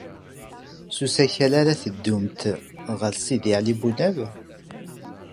S usakal ara teddumt ɣer Sidi Ɛli Bunab?